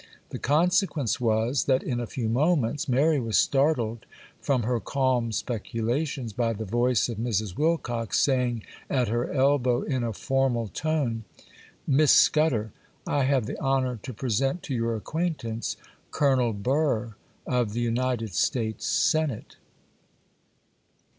The consequence was, that in a few moments Mary was startled from her calm speculations by the voice of Mrs. Wilcox, saying at her elbow, in a formal tone:— 'Miss Scudder, I have the honour to present to your acquaintance Colonel Burr, of the United States Senate.